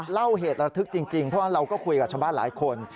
เล่าเหตุระทึกจริงเพราะว่าเราก็คุยกับชาวบ้านหลายคน